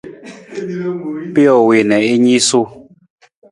Pijo wii na i niisuu.